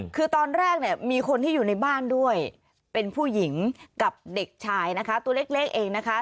คือตอนแรกเนี่ยมีคนที่อยู่ในบ้านด้วยเป็นผู้หญิงกับเด็กชายนะคะตัวเล็กเองนะคะ